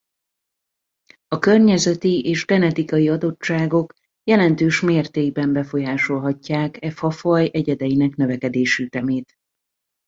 A környezeti és a genetikai adottságok jelentős mértékben befolyásolhatják e fafaj egyedeinek növekedési ütemét.